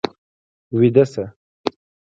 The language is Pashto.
ويده شه.